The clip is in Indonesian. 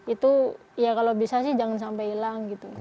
itu ya kalau bisa sih jangan sampai hilang gitu